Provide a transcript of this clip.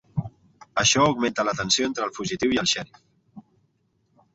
Això augmenta la tensió entre el fugitiu i el xèrif.